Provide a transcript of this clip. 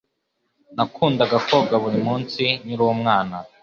Nakundaga koga buri munsi nkiri umwana.